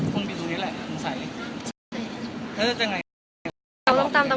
เป็นเป็นดาวผู้ซื้อข่าวนะคะ